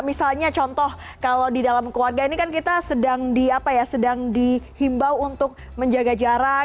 misalnya contoh kalau di dalam keluarga ini kan kita sedang di apa ya sedang dihimbau untuk menjaga jarak